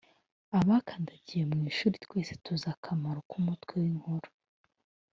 Abakandagiye mu ishuri twese tuzi akamaro k’umutwe w’inkuru (titre)